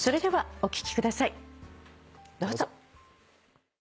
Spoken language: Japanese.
どうぞ。